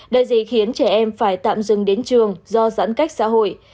đại dịch khiến trẻ em phải tạm dừng đến trường do giãn cách xã hội